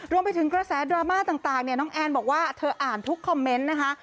รวมไปถึงกระแสดราม่าต่างเนี่ยน้องแอนบอกว่าเธออ่านทุกคอมเมนต์นะคะ